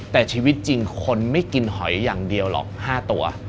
แต่ชีวิตจริงคนไม่กินหอยอย่างเดียวหรอก๕ตัว